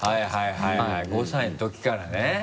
はいはい５歳の時からね。